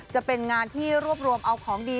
จะเป็นงานที่รวบรวมเอาของดี